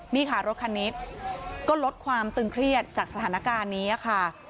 นี่ค่ะรถคันนี้ก็ลดความตึงเครียดจากสถานการณ์นี้ค่ะ